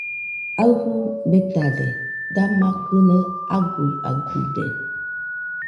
Aɨfɨ betade, dama kɨnaɨ aguiaguide.